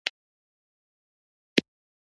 د لرګیو قیمت لوړ دی؟